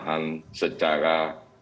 kita juga menawarkan cuti di luar tanggungan